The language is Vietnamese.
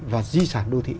và di sản đô thị